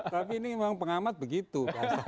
tapi ini memang pengamat begitu